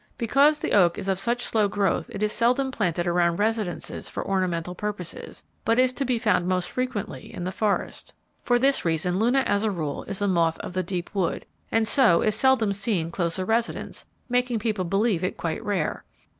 Because the oak is of such slow growth it is seldom planted around residences for ornamental purposes; but is to be found most frequently in the forest. For this reason Luna as a rule is a moth of the deep wood, and so is seldom seen close a residence, making people believe it quite rare.